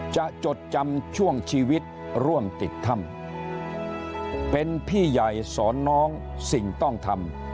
จดจำช่วงชีวิตร่วมติดถ้ำเป็นพี่ใหญ่สอนน้องสิ่งต้องทำ